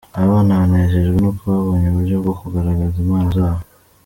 Abana banejejwe nuko babonye uburyo bwo kugaragaza impano zabo